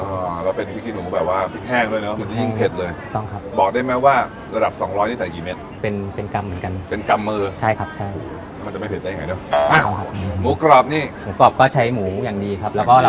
อ๋อแล้วก็เป็นพริกขี้หนูแบบว่าพริกแห้งด้วยเนอะมันจะยิ่งเผ็ดเลย